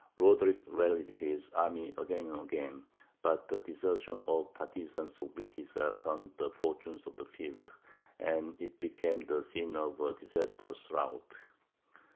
Roderick rallied his army again and again; but the desertion of the partisans of Witiza turned the fortune of the field and it became the scene of a disastrous rout.